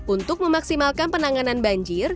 untuk memaksimalkan penanganan banjir